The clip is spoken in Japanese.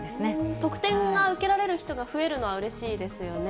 特典が受けられる人が増えるのはうれしいですよね。